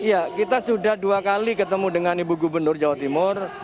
ya kita sudah dua kali ketemu dengan ibu gubernur jawa timur